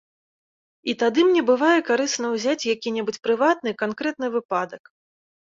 І тады мне бывае карысна ўзяць які-небудзь прыватны, канкрэтны выпадак.